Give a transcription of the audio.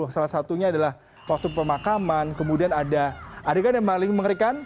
salah satunya adalah waktu pemakaman kemudian ada adegan yang paling mengerikan